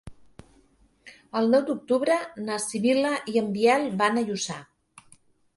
El nou d'octubre na Sibil·la i en Biel van a Lluçà.